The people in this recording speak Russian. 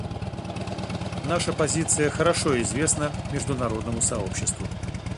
Наша позиция хорошо известна международному сообществу.